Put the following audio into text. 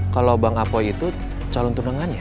kalau bang apoy itu calon tunengannya